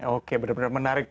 oke benar benar menarik